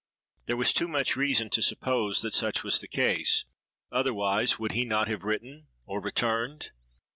There was too much reason to suppose that such was the case: otherwise, would he not have written, or returned?